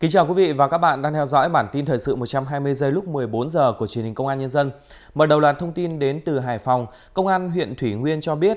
hãy đăng ký kênh để ủng hộ kênh của chúng mình nhé